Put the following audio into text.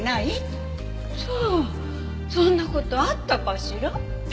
さあそんな事あったかしら？